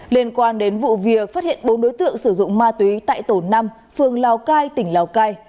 liên quan đến vụ việc phát hiện bốn đối tượng sử dụng ma túy tại tổ năm phường lào cai tỉnh lào cai